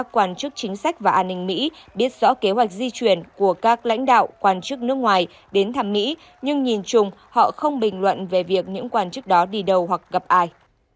quan chức chính sách và an ninh mỹ biết rõ kế hoạch di chuyển của các lãnh đạo quan chức nước ngoài đến thăm mỹ nhưng nhìn chung họ không bình luận về việc những quan chức đó đi đâu hoặc gặp ai